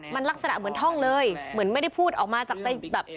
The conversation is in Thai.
มันลักษณะเหมือนท่องเลยเหมือนไม่ได้พูดออกมาจากใจแบบ